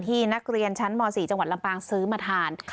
นักเรียนชั้นม๔จังหวัดลำปางซื้อมาทาน